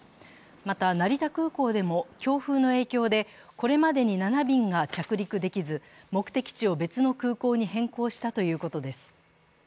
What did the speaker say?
また、成田空港でも強風の影響でこれまでに７便が着陸できず目的地を別の空港に変更したということです。